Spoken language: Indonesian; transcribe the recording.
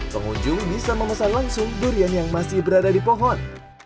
pengunjung bisa memesan langsung durian yang masih berada di pohon